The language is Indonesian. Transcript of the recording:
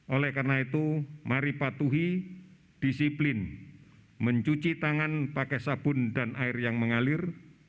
oleh karena itu mari patuhi disiplin mencuci tangan pakai sabun dan air yang mengalir